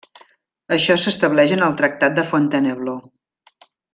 Això s'estableix en el Tractat de Fontainebleau.